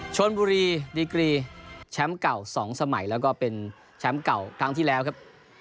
ชนบุรีดีกรีแชมป์เก่า๒สมัยแล้วก็เป็นแชมป์เก่าครั้งที่แล้วครับ